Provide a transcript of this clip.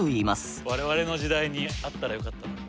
我々の時代にあったらよかった。